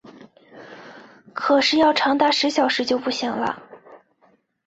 可是要长达十小时就不行了